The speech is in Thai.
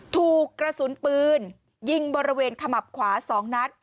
ถูกกระสุนปืนยิงบริเวณขมับขวา๒นัด